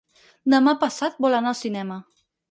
Demà passat vol anar al cinema.